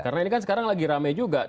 karena ini kan sekarang lagi rame juga